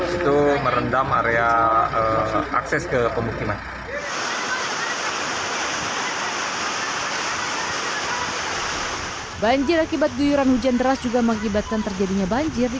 itu merendam area akses ke pemukiman